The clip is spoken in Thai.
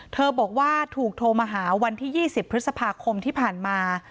บอกว่าถูกโทรมาหาวันที่๒๐พฤษภาคมที่ผ่านมา